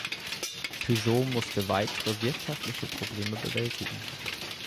Peugeot musste weitere wirtschaftliche Probleme bewältigen.